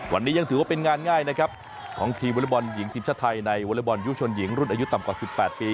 วันนี้ยังถือว่าเป็นงานง่ายนะครับของทีมวอเล็กบอลหญิงทีมชาติไทยในวอเล็กบอลยุชนหญิงรุ่นอายุต่ำกว่า๑๘ปี